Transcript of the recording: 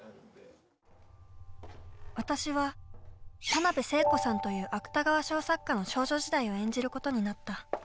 私は田辺聖子さんという芥川賞作家の少女時代を演じることになった。